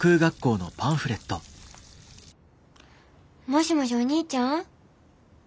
もしもしお兄ちゃん？